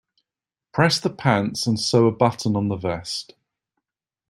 Press the pants and sew a button on the vest.